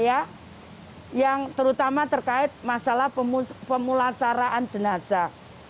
warga saya yang terutama terkait masalah pemulasaraan jenazah